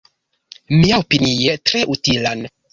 Miaopinie tre utilan.